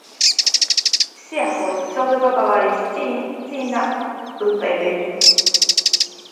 სიახლოვეს ვრცელდება ბავარიის წინაალპები.